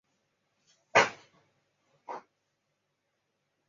胡麻黄耆为豆科黄芪属的植物。